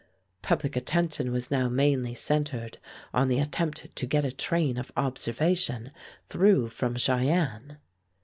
Public attention was now mainly centered on the attempt to get a train of observation through from Cheyenne.